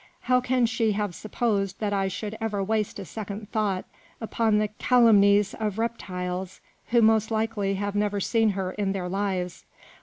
How can she have supposed that I should ever waste a second thought upon the calumnies of reptiles, who most likely have never seen her in their lives